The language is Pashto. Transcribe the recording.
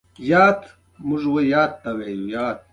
عبدالقدیر به ستاسو خدمت کوي